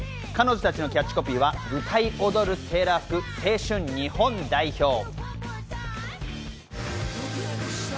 彼女たちのキャッチコピーは歌い踊るセーラー服、青春日本代表。